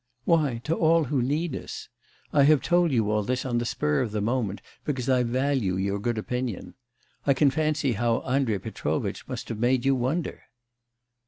'Why, to all who need us. I have told you all this on the spur of the moment, because I value your good opinion. I can fancy how Andrei Petrovitch must have made you wonder!